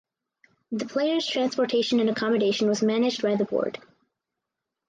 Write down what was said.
The players’ transportation and accommodation was managed by the board.